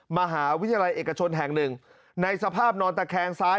มหาวิทยาลัยเอกชนแห่งหนึ่งในสภาพนอนตะแคงซ้าย